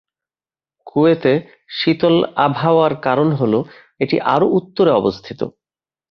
কুয়েতে শীতল আবহাওয়ার কারণ হলো এটি আরও উত্তরে অবস্থিত।